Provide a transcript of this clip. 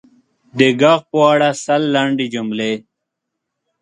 د ږغ په اړه سل لنډې جملې: